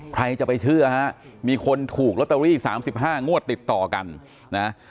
ใครจะไปเชื่อฮะมีคนถูกลอตเตอรี่๓๕งวดติดต่อกันนะ